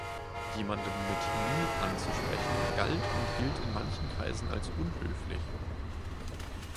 Jemanden mit "Ni" anzusprechen, galt und gilt in manchen Kreisen als unhöflich.